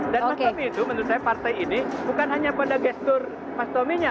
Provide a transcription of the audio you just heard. dan mas tommy itu menurut saya partai ini bukan hanya pada gestur mas tommy nya